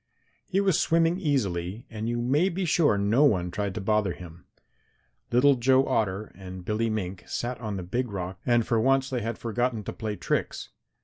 He was swimming easily and you may be sure no one tried to bother him. Little Joe Otter and Billy Mink sat on the Big Rock and for once they had forgotten to play tricks.